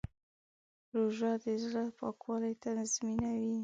روژه د زړه پاکوالی تضمینوي.